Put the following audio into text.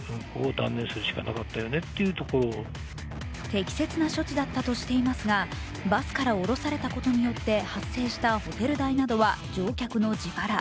適切な処置だったとしていますが、バスから降ろされたことによってホテル代などは乗客の自腹。